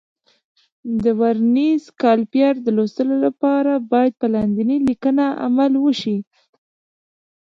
د ورنیز کالیپر د لوستلو لپاره باید په لاندې لیکنه عمل وشي.